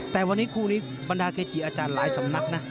แต่มีภาพบัณฑาเคจีพาทหลายสำนัก